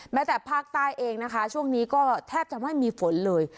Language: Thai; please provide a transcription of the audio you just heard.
แม้แต่ภาคใต้เองนะคะช่วงนี้ก็แทบจะไม่มีฝนเลย